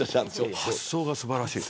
発想が素晴らしい。